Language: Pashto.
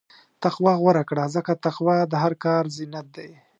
تقوی غوره کړه، ځکه تقوی د هر کار زینت دی.